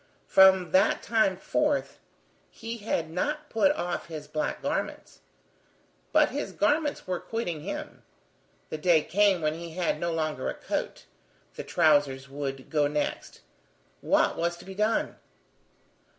From that time forth, he had not put off his black garments. But his garments were quitting him. The day came when he had no longer a coat. The trousers would go next. What was to be done?